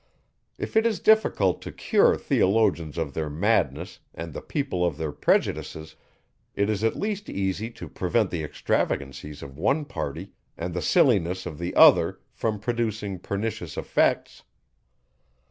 If it is difficult to cure theologians of their madness and the people of their prejudices, it is at least easy to prevent the extravagancies of one party, and the silliness of the other from producing pernicious effects.